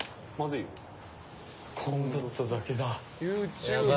コムドットだけだ。